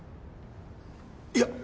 いや。